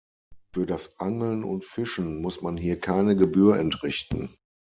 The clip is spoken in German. Für das Angeln und Fischen muss man hier keine Gebühr entrichten.